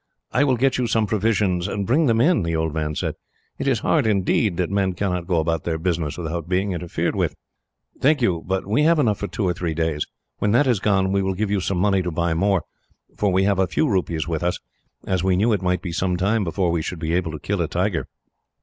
"I will get you some provisions, and bring them in," the old man said. "It is hard, indeed, that men cannot go about their business without being interfered with." "Thank you, but we have enough for two or three days. When that is gone, we will give you some money to buy more; for we have a few rupees with us, as we knew it might be some time before we should be able to kill a tiger."